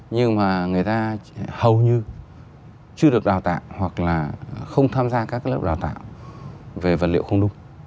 nhưng mà người ta hầu như chưa được đào tạo hoặc là không tham gia các lớp đào tạo về vật liệu không nung